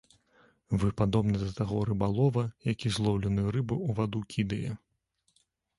Вы падобны да таго рыбалова, які злоўленую рыбу ў ваду кідае.